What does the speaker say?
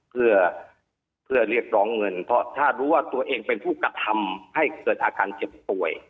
เพื่อเรียกร้องเงินเพราะถ้ารู้ว่าตัวเองเป็นผู้กระทำให้เกิดอาการเจ็บป่วย